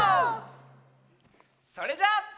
それじゃあ。